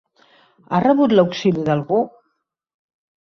Ha rebut l'auxili d'algú?